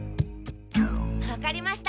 わかりました。